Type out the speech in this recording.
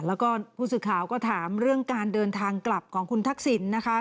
แล้วก็ผู้สื่อข่าวก็ถามเรื่องการเดินทางกลับของคุณทักษิณนะคะ